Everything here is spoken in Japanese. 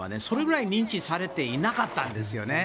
それぐらい認知されていなかったんですよ。